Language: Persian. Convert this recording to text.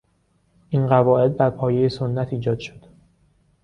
این قواعد بر پایهی سنت ایجاد شد.